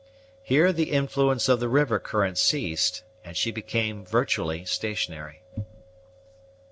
Here the influence of the river current ceased, and she became, virtually, stationary.